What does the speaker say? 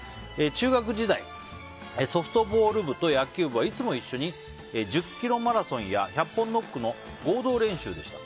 中学時代ソフトボール部と野球部はいつも一緒に１０ｋｍマラソンや１００本ノックの合同練習でした。